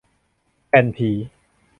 แผ่นผี